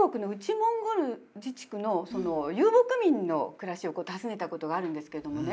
モンゴル自治区の遊牧民の暮らしを訪ねたことがあるんですけれどもね